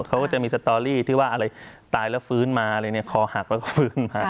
เขาก็จะมีสตอรี่ที่ว่าอะไรตายแล้วฟื้นมาอะไรเนี่ยคอหักแล้วก็ฟื้นมา